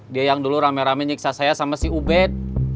dia yang dulu rame rame nyiksa saya sama si ubed